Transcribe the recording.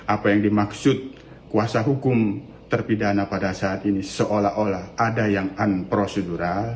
apa yang dimaksud kuasa hukum terpidana pada saat ini seolah olah ada yang unprocedural